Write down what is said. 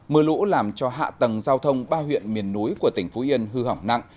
mưa lũ làm cho hạ tầng giao thông ba huyện miền núi của tỉnh phú yên hư hỏng nặng